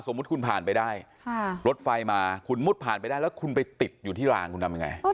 คุณผ่านไปได้รถไฟมาคุณมุดผ่านไปได้แล้วคุณไปติดอยู่ที่รางคุณทำยังไง